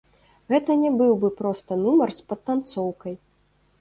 Гэта не быў бы проста нумар з падтанцоўкай.